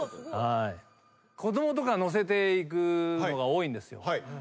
子供とか乗せていくのが多いんですよ。